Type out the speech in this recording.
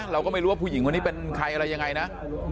เราก็ไม่รู้ว่าผู้หญิงคนนี้เป็นใครอะไรยังไงนะ